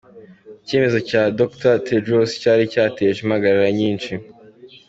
Icyemezo cya Dr Tedros cyari cyateje impagarara nyinshi.